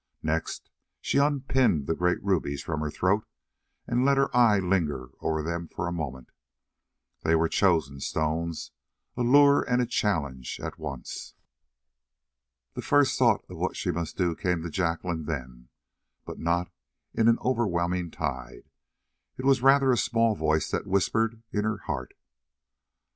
Next she unpinned the great rubies from her throat and let her eye linger over them for a moment. They were chosen stones, a lure and a challenge at once. The first thought of what she must do came to Jacqueline then, but not in an overwhelming tide it was rather a small voice that whispered in her heart.